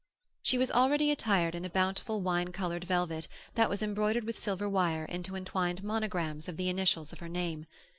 She was already attired in a bountiful wine coloured velvet that was embroidered with silver wire into entwined monograms of the initials of her name.